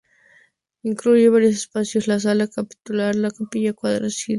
Incluye varios espacios: la Sala Capitular, la Capilla, cuadras y la letrina.